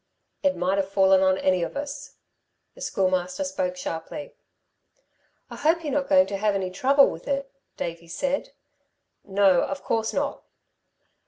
"It might have fallen on any of us." The Schoolmaster spoke sharply. "I hope you're not going to have any trouble with it," Davey said. "No, of course not."